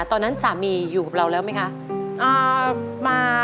ตอนนั้นสามีอยู่กับเราแล้วไหมคะ